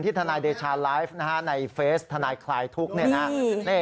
ทนายเดชาไลฟ์ในเฟสทนายคลายทุกข์